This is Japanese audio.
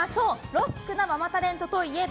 ロックなママタレントといえば？